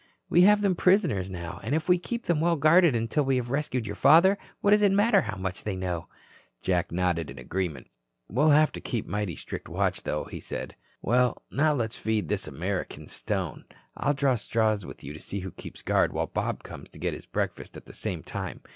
We have them prisoners now and if we keep them well guarded until we have rescued your father, what does it matter how much they know?" Jack nodded agreement. "We'll have to keep mighty strict watch, though," he said. "Well, now let's feed this American, Stone. I'll draw straws with you to see who keeps guard while Bob comes to get his breakfast at the same time.